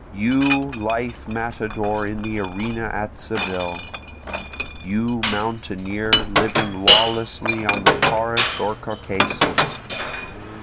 You lithe matador in the arena at Seville! You mountaineer living lawlessly on the Taurus or Caucasus!